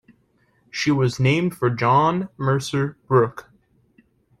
She was named for John Mercer Brooke.